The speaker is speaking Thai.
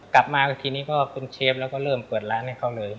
กลับมาทีนี้ก็คุณเชฟแล้วก็เริ่มเปิดร้านให้เขาเลย